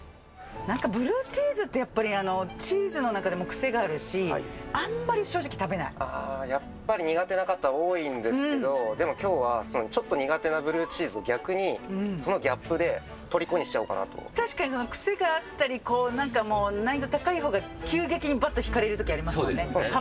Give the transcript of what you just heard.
なんかブルーチーズって、やっぱりチーズの中でも癖があるやっぱり苦手な方、多いんですけど、でもきょうは、そのちょっと苦手なブルーチーズを、逆にそのギャップでとりこに確かに癖があったり、なんか難易度高いほうが、急激にばっと引かれるときありますよね。